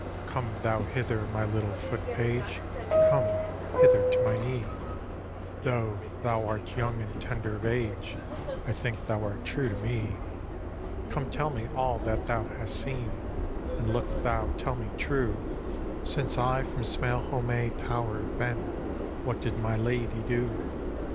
" Come thou hither, my little foot page. Come hither to my knee; Though thou art young and tender of age, I think thou art true to me. " Come tell me all that thou hast seen, And look thou tell me true! Since I from Smaylho'me tower have been, What did my ladye do?"